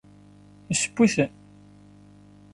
Yesseww-iten?